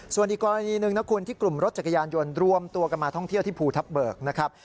ส่วนอีกกรณีหนึ่งนะคุณที่กลุ่มรถจักรยานยนต์รวมตัวกันมาท่องเที่ยวที่ภูทับเบิกนะครับ